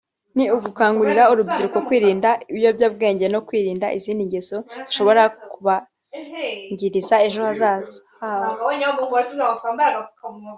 ni ugukangurira urubyiruko kwirinda ibiyobyabwenge no kwirinda izindi ngeso zishobora kubangiriza ejo hazaza harwo